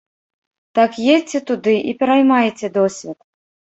Так едзьце туды і пераймайце досвед.